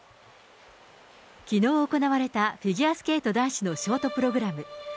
きのう行われたフィギュアスケート男子のショートプログラム。